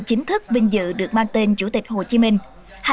chính thức vinh dự được mang tên chủ tịch hồ chí minh